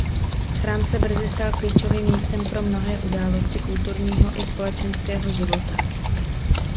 Chrám se brzy stal klíčovým místem pro mnohé události kulturního i společenského života.